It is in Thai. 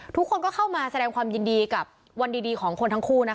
ทุกคนก็เข้ามาแสดงความยินดีกับวันดีของคนทั้งคู่นะคะ